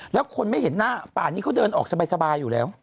แล้วคนไม่เห็นหน้าป่านี้เขาเดินออกสบายอยู่แล้ว